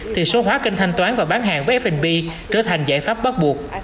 thì số hóa kênh thanh toán và bán hàng với f b trở thành giải pháp bắt buộc